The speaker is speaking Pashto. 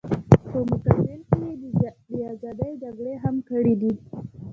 په مقابل کې یې د ازادۍ جګړې هم کړې دي.